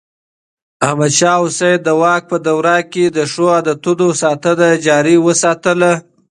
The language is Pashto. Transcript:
احمد شاه حسين د واک په دوران کې د ښو عادتونو ساتنه جاري وساتله.